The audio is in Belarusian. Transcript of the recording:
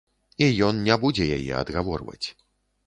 І ён не будзе яе адгаворваць.